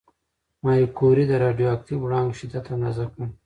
ماري کوري د راډیواکټیف وړانګو شدت اندازه کړ.